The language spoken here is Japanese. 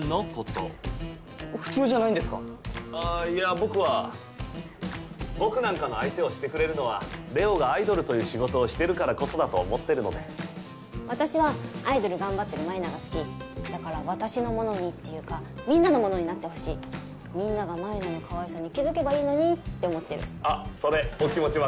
あぁいや僕は僕なんかの相手をしてくれるのはれおがアイドルという仕事をしてるからこそだと思ってるので私はアイドル頑張ってる舞菜が好きだから私のものにっていうかみんなのものになってほしいみんなが舞菜のかわいさに気付けばいいのにって思ってるあっそれお気持ち分かります